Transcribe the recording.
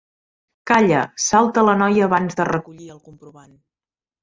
Calla, salta la noia abans de recollir el comprovant.